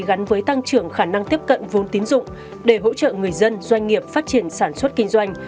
gắn với tăng trưởng khả năng tiếp cận vốn tín dụng để hỗ trợ người dân doanh nghiệp phát triển sản xuất kinh doanh